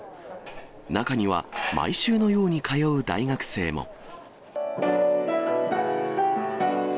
中には、毎週のように通う大学生も。